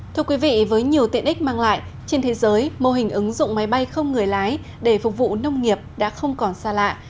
thưa quý vị với nhiều tiện ích mang lại trên thế giới mô hình ứng dụng máy bay không người lái để phục vụ nông nghiệp đã không còn xa lạ